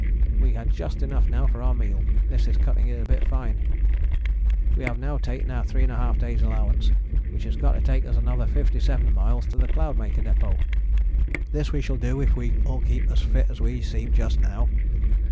We had just enough now for our meal; this is cutting it a bit fine. We have now taken our 3½ days' allowance, which has got to take us another 57 miles to the Cloudmaker Depôt. This we shall do if we all keep as fit as we seem just now.